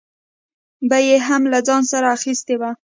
به یې هم له ځان سره اخیستې وه.